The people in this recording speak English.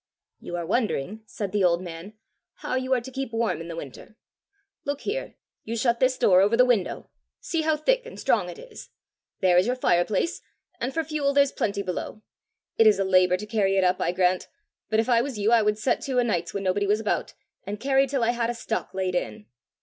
"You are wondering," said the old man, "how you are to keep warm in the winter! Look here: you shut this door over the window! See how thick and strong it is! There is your fireplace; and for fuel, there's plenty below! It is a labour to carry it up, I grant; but if I was you, I would set to o' nights when nobody was about, and carry till I had a stock laid in!"